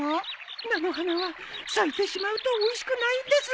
菜の花は咲いてしまうとおいしくないんです。